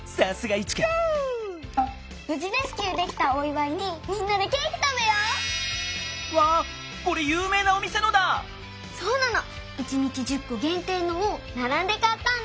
１にち１０こげんていのをならんでかったんだ。